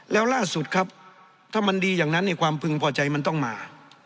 แล้วล่าสุดครับถ้ามันดีอย่างนั้นความพึงพอใจมันต้องมา